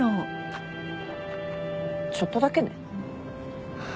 ちょっとだけね。